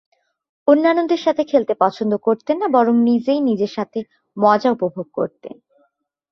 অন্যান্যদের সাথে খেলতে পছন্দ করতেন না বরং নিজেই নিজের সাথে মজা উপভোগ করতেন।